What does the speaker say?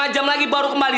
lima jam lagi baru kembali